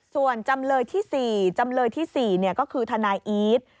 ส่วนจำเลยที่๔นี่ก็คือทนอีศ